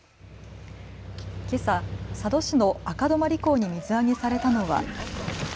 けさ、佐渡市の赤泊港に水揚げされたのは。